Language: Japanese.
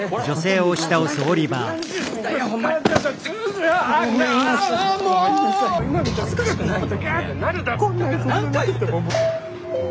・恥ずかしくないの？